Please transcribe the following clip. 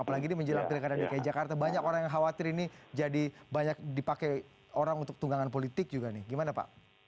apalagi ini menjelang pilkada dki jakarta banyak orang yang khawatir ini jadi banyak dipakai orang untuk tunggangan politik juga nih gimana pak